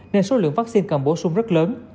nên số lượng vaccine cần bổ sung rất lớn